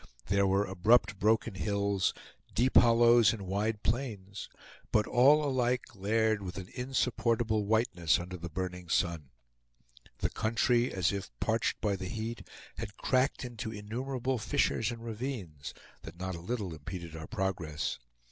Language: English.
There were abrupt broken hills, deep hollows, and wide plains; but all alike glared with an insupportable whiteness under the burning sun. The country, as if parched by the heat, had cracked into innumerable fissures and ravines, that not a little impeded our progress.